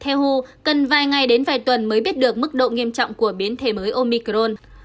theo ho cần vài ngày đến vài tuần mới biết được mức độ nghiêm trọng của biến thể mới omicron